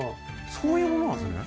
そういうものなんですね